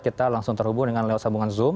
kita langsung terhubung dengan lewat sambungan zoom